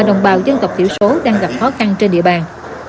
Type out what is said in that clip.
đồng bào dân tộc thiểu số đang gặp khó khăn trên địa bàn